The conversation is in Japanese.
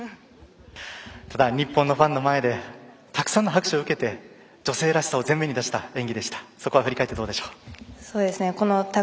日本のファンの前でたくさんの拍手を受けて女性らしさを前面に出した演技でした。